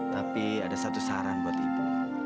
tapi ada satu saran buat ibu